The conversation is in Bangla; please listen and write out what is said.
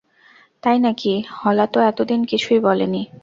তাই নাকি, হলা তো এতদিন কিছুই বলে নি।